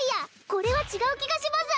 これは違う気がします